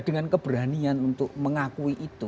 dengan keberanian untuk mengakui itu